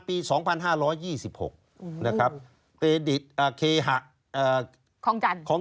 ชีวิตกระมวลวิสิทธิ์สุภาณฑ์